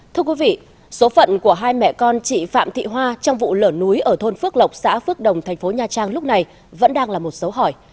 thưa quý vị số phận của hai mẹ con chị phạm thị hoa trong vụ lở núi ở thôn phước lộc xã phước đồng thành phố nha trang lúc này vẫn đang là một dấu hỏi